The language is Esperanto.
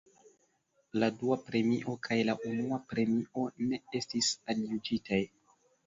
La dua premio kaj la unua premio ne estis aljuĝitaj.